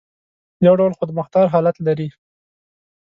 یو ډول خودمختار حالت لري.